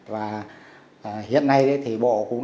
và hiện nay thì bộ cũng